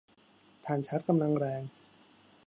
ถ่านชาร์จกำลังแรง